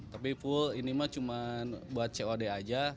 tapi full ini mah cuma buat cod aja